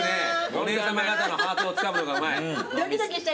お姉さま方のハートをつかむのがうまい。